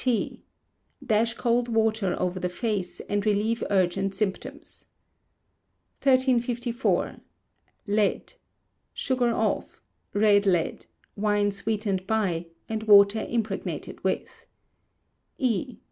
T. Dash cold water over the face, and relieve urgent symptoms. 1354. Lead. (Sugar of; red lead; wine sweetened by; and water impregnated with). E.